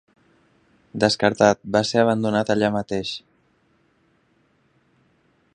Descartat, va ser abandonat allà mateix.